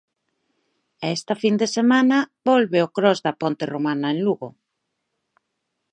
E esta fin de semana volve o Cros da Ponte Romana en Lugo.